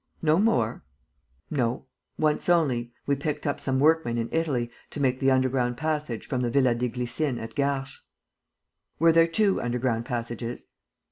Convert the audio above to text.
"No more?" "No. Once only, we picked up some workmen in Italy to make the underground passage from the Villa des Glycines, at Garches." "Were there two underground passages?"